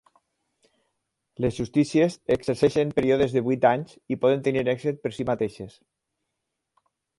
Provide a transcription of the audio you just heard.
Les justícies exerceixen períodes de huit anys i poden tenir èxit per si mateixes.